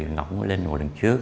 ngọc mới lên ngồi đằng trước